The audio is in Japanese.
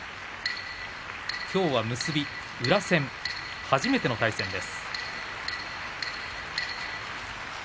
きょうは結び、宇良戦初めての対戦です。